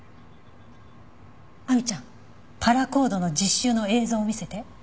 亜美ちゃんパラコードの実習の映像を見せて。